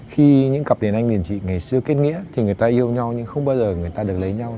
khi những cặp đền anh đền chị ngày xưa kết nghĩa thì người ta yêu nhau nhưng không bao giờ người ta được lấy nhau